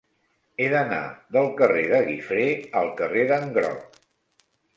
He d'anar del carrer de Guifré al carrer d'en Groc.